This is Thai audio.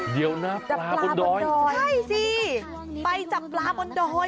เดี๋ยวนะจับปลาบนดอยใช่สิไปจับปลาบนดอย